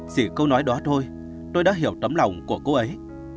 chỉ câu nói đó thôi tôi đã hiểu tấm lòng của cô ấy